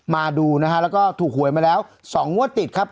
มาดูนะฮะแล้วก็ถูกหวยมาแล้ว๒งวดติดครับ